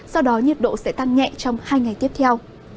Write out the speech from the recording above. sau đó nhiệt độ sẽ tăng nhẹ trong hai ngày tiếp theo